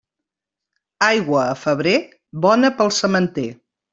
Aigua a febrer, bona pel sementer.